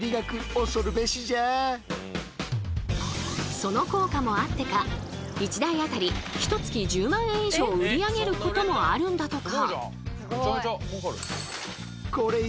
その効果もあってか１台あたりひとつき１０万円以上売り上げることもあるんだとか。